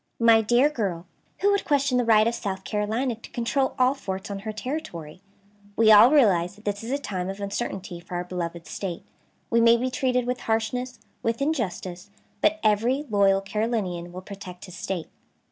"My dear girl, who would question the right of South Carolina to control all forts on her territory? We all realize that this is a time of uncertainty for our beloved State; we may be treated with harshness, with injustice, but every loyal Carolinian will protect his State."